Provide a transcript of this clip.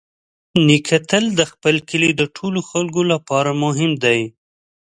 نیکه تل د خپل کلي د ټولو خلکو لپاره مهم دی.